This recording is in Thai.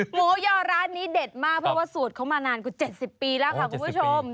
หมูยอร้านนี้เด็ดมากเพราะว่าสูตรเขามานานกว่า๗๐ปีแล้วค่ะคุณผู้ชม